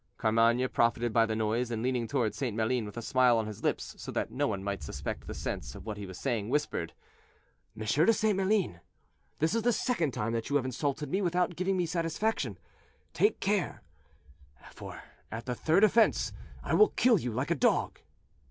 Carmainges profited by the noise, and leaning toward St. Maline, with a smile on his lips, so that no one might suspect the sense of what he was saying, whispered: "M. de St. Maline, this is the second time that you have insulted me without giving me satisfaction; take care, for at the third offense I will kill you like a dog."